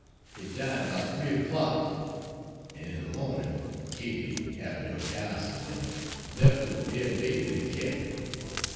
It died 'bout three o'clock; and in de mornin', Katie, habbin her cows to milk, lef her dead baby in de cabin.